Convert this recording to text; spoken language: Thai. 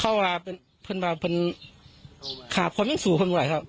เขาว่าเป็นเพื่อนบางเพื่อนค่ะเพื่อนยังสูงเพื่อนกว่าไหร่ครับ